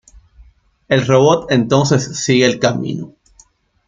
El robot entonces sigue el camino.